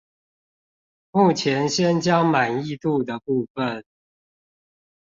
目前先將滿意度的部分